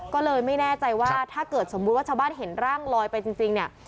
ก็เลยไม่แน่ใจว่าถ้าเกิดสมมุติว่าชาวบ้านเห็นร่างลอยไปจริงเนี่ย